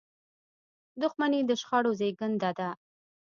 • دښمني د شخړو زیږنده ده.